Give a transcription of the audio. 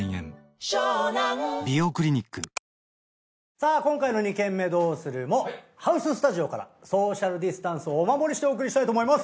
さぁ今回の「二軒目どうする？」もハウススタジオからソーシャルディスタンスをお守りしてお送りしたいと思います。